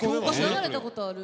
流れたことある。